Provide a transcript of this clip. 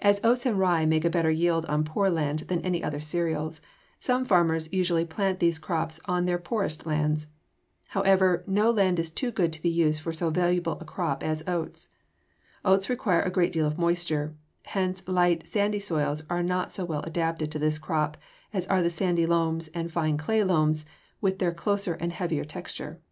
As oats and rye make a better yield on poor land than any other cereals, some farmers usually plant these crops on their poorest lands. However, no land is too good to be used for so valuable a crop as oats. Oats require a great deal of moisture; hence light, sandy soils are not so well adapted to this crop as are the sandy loams and fine clay loams with their closer and heavier texture.